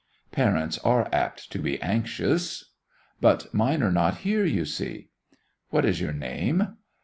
"Parents are apt to be anxious." "But mine are not here, you see." "What is your name?"